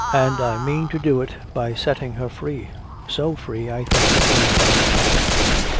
And I mean to do it by setting her free so free I think it will frighten her."